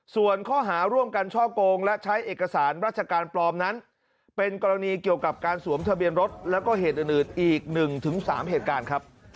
ส่วนข้อหาร่วมกันช่อกงและใช้เอกสารราชการปลอมนั้นเป็นกรณีเกี่ยวกับการสวมทะเบียนรถแล้วก็เหตุอื่นอีก๑๓เหตุการณ์ครับ